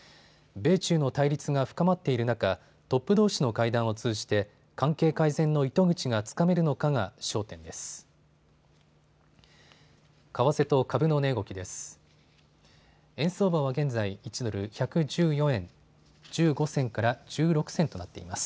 米中の対立が深まっている中、トップどうしの会談を通じて関係改善の糸口がつかめるのかが焦点です。